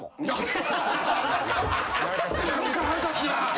何か腹立つなぁ。